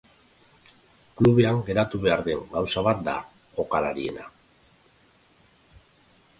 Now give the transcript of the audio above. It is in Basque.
Klubean geratu behar den gauza bat da, jokalariena.